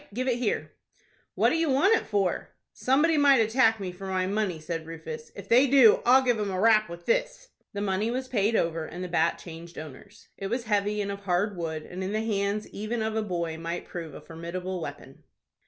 Give it here." "What do you want it for?" "Somebody might attack me for my money," said Rufus. "If they do, I'll give 'em a rap with this." The money was paid over, and the bat changed owners. It was heavy, and of hard wood, and in the hands even of a boy might prove a formidable weapon.